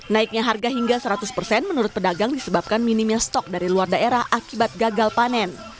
naiknya harga hingga seratus persen menurut pedagang disebabkan minimnya stok dari luar daerah akibat gagal panen